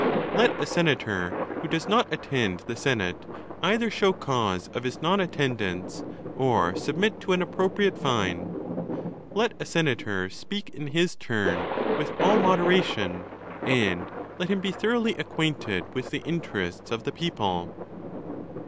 Let a senator who does not attend the senate, either show cause of his non attendance, or submit to an appropriate fine. Let a senator speak in his turn, with all moderation, and let him be thoroughly acquainted with the interests of the people.